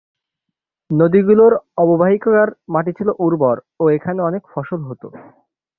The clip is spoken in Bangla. নদীগুলির অববাহিকার মাটি ছিল উর্বর ও এখানে অনেক ফসল ফলত।